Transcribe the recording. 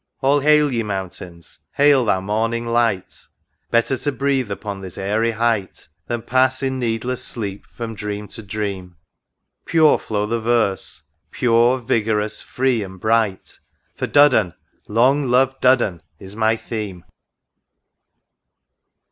— All hail ye mountains, hail thou morning light ! Better to breathe upon this aery height Than pass in needless sleep from dream to dream ; Pure flow the verse, pure, vigorous, free, and bright, For Duddon, long lov'd Duddon, is my theme